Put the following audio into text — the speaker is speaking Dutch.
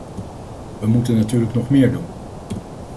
We moeten natuurlijk nog meer doen.